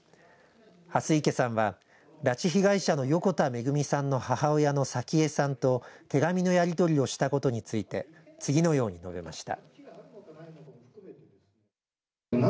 蓮池さんは拉致被害者の横田めぐみさんの母親の早紀江さんと手紙のやりとりをしたことについて次のように述べました。